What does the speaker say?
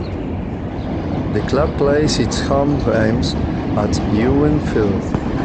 The club plays its home games at Ewen Fields.